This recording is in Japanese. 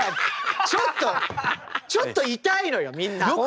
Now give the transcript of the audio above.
ちょっとちょっとイタいのよみんな。